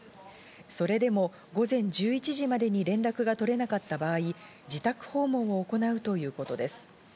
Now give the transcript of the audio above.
それでも午前１１時までに連絡が取れなかった場合、自宅訪問を行うということです。